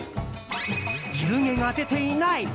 湯気が出ていない！